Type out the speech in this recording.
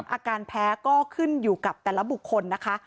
อาการแพ้ก็ขึ้นอยู่กับแต่ละบุคคลนะคะ